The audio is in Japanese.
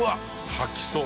吐きそう。